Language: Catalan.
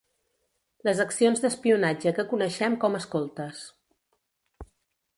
Les accions d'espionatge que coneixem com escoltes.